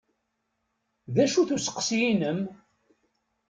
D acu-t uqusis-inem?